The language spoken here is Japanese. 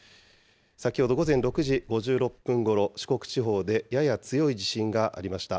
先ほど午前６時５６分ごろ、四国地方でやや強い地震がありました。